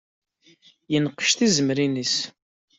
Yenqec tizemrin-is.